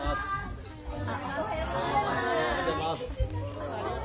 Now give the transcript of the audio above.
おはようございます。